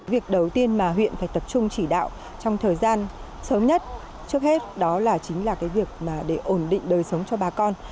việc đầu tiên mà huyện phải tập trung chỉ đạo trong thời gian sớm nhất trước hết đó là chính là cái việc để ổn định đời sống cho bà con